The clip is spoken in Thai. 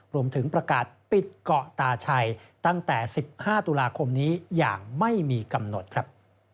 รวมถึงประกาศปิดเกาะตาชัยตั้งแต่๑๕ตุลาคมนี้อย่างไม่มีกำหนดครับ